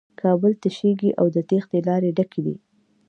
کابل تشېږي او د تېښې لارې ډکې دي.